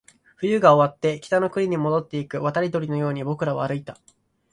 冬が終わって、北の国に戻っていく渡り鳥のように僕らは歩いた